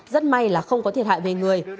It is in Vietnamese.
rất may là không có thiệt hại về người